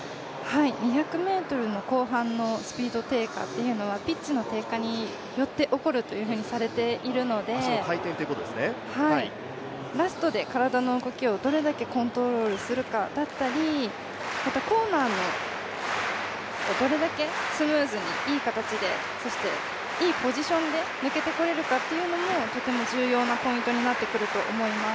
２００ｍの後半のスピード低下というのはピッチの低下によって起こるとされているのでラストで体の動きをどれだけコントロールするかだったり、またコーナーをどれだけスムーズにいい形でそしていいポジションで抜けてこれるかというのもとても重要なポイントになってくると思います。